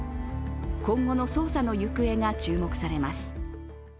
今後の捜査の行方が注目されます。